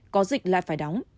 có dịch lại phải đóng